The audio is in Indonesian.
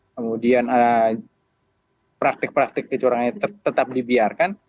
kemudian ada praktik praktik kecurangannya tetap dibiarkan